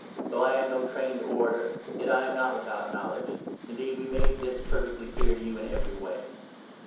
Though I am no trained orator, yet 6 I am not without knowledge ; indeed we made this perfectly clear to you in every way.